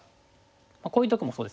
こういうとこもそうですね。